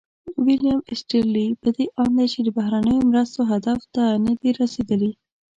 ویلیم ایسټیرلي په دې اند دی چې بهرنیو مرستو هدف ته نه دي رسیدلي.